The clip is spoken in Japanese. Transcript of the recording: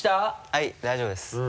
はい大丈夫です。